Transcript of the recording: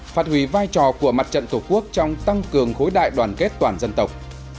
phát hủy vai trò của mặt trận tổ quốc trong tăng cường khối đại đoàn kết toàn dân tộc